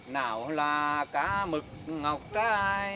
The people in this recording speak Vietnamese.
nào là cá mực ngọc trai